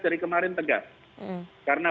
dari kemarin tegas karena